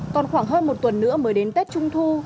còn khoảng hơn một tuần nữa mới đến tết trung thu